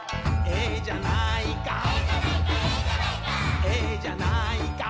「ええじゃないか」